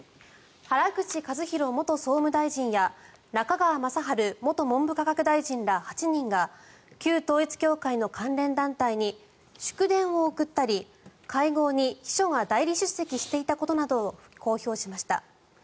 原口一博元総務大臣や中川正春元文部科学大臣ら８人が旧統一教会の関連団体に祝電を送ったり会合に秘書が代理出席していたことなどを公表しました。